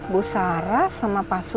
bu sarah sama pak hanyun